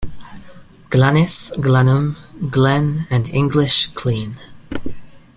Glanis, Glanum, Glen and English "clean".